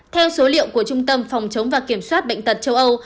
theo số liệu của trung tâm phòng chống và kiểm soát bệnh tật châu âu